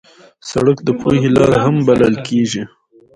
سړک د پوهې لار هم بلل کېږي.